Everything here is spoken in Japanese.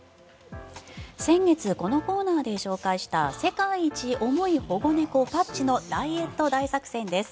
先月、このコーナーで紹介した世界一重い保護猫、パッチのダイエット大作戦です。